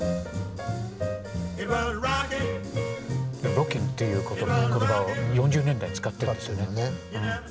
「ｒｏｃｋｉｎ’」っていう言葉を４０年代使ってたんですよね。